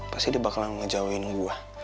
pasti dia bakalan ngejauhin gue